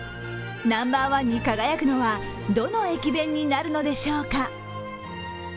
ナンバーワンに輝くのはどの駅弁になるのでしょうか。